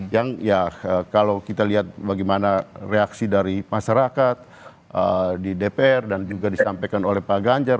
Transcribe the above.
yang ya kalau kita lihat bagaimana reaksi dari masyarakat di dpr dan juga disampaikan oleh pak ganjar